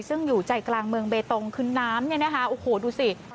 ซึ่งอยู่ใจกลางเมืองเบตงคือน้ำเนี่ยนะคะโอ้โหดูสิ